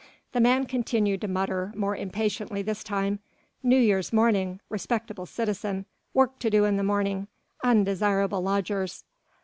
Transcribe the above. The man continued to mutter, more impatiently this time: "New Year's morning ... respectable citizen ... work to do in the morning ... undesirable lodgers...."